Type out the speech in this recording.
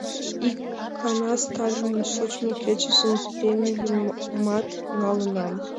Икана Сталинын шочмо кечыжын премийымат налынам.